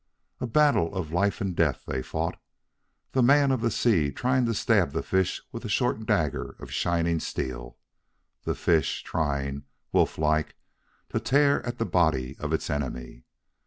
A battle of life and death they fought, the man of the sea trying to stab the fish with a short dagger of shining steel, the fish trying, wolf like, to tear at the body of its enemy.